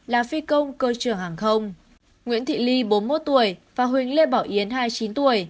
là phi công cơ trường hàng không nguyễn thị ly bốn mươi một tuổi và huỳnh lê bảo yến hai mươi chín tuổi